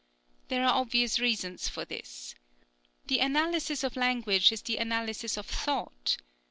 There are obvious reasons for this. The analysis of language is the analysis of thought.